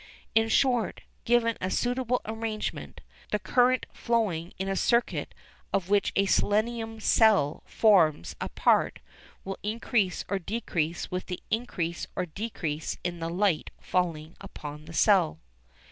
In short, given a suitable arrangement, the current flowing in a circuit of which a selenium "cell" forms a part will increase or decrease with the increase or decrease in the light falling upon the cell.